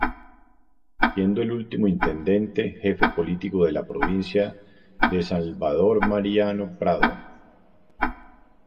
Siendo el último Intendente-Jefe Político de la Provincia de San Salvador Mariano Prado.